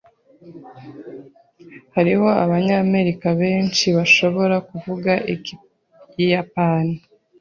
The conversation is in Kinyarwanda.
Hariho Abanyamerika benshi bashobora kuvuga Ikiyapani.